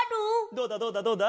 どうだどうだどうだ？